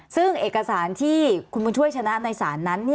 ซึ่งเอกสารที่คุณบุญช่วยชนะในศาลนั้น